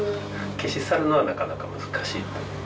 消し去るのはなかなか難しい。